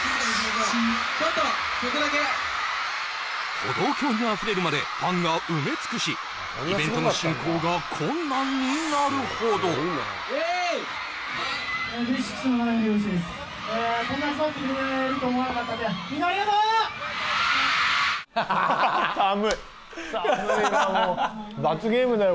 歩道橋にあふれるまでファンが埋め尽くしイベントの進行が困難になるほど寒い寒いなもう罰ゲームだよ